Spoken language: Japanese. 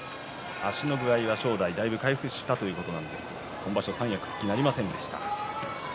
足の具合は正代だいぶ回復したということですが今場所は三役復帰なりませんでした。